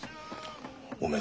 おめえ